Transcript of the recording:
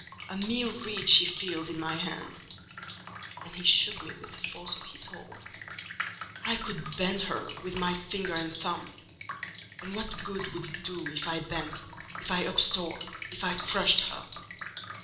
A mere reed she feels in my hand!" (And he shook me with the force of his hold.) "I could bend her with my finger and thumb: and what good would it do if I bent, if I uptore, if I crushed her?